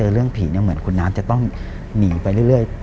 เรื่องผีเหมือนคุณน้ำจะต้องหนีไปเรื่อย